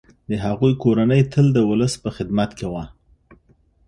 د هغوی کورنۍ تل د ولس په خدمت کي وه.